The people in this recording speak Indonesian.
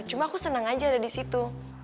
cuma aku senang aja ada di situ